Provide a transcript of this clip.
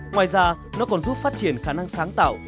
ngoài ra nó còn giúp phát triển khả năng sáng tạo